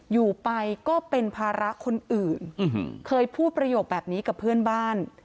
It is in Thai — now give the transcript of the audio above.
อยู่ไปก็เป็นภาระคนอื่นเคยพูดประโยคแบบนี้กับเพื่อนบ้าน